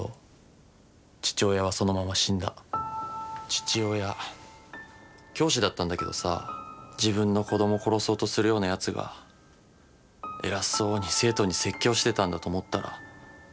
父親教師だったんだけどさ自分の子ども殺そうとするようなやつが偉そうに生徒に説教してたんだと思ったら。